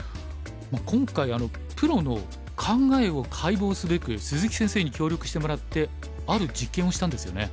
今回プロの考えを解剖すべく鈴木先生に協力してもらってある実験をしたんですよね。